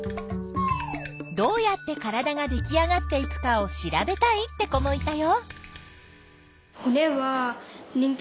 どうやって体ができあがっていくかを調べたいって子もいたよ。